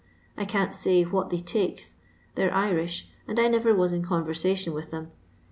I can't say what they takes, they 're Irish, and I never was in conversation with them.